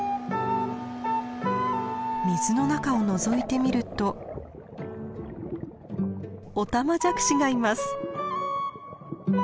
水の中をのぞいてみるとオタマジャクシがいます。